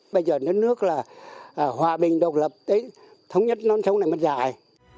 bây giờ nước nước là hòa bình độc lập thống nhất nón sống này mới dài